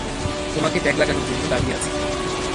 তোমাকে ট্যাগ লাগানোর জন্য দাঁড়িয়ে আছি।